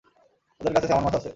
ওদের কাছে স্যামন মাছ আছে!